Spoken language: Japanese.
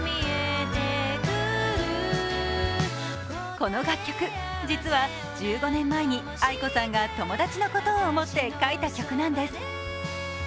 この楽曲、実は１５年前にａｉｋｏさんが友達のことを思って書いた曲なんです。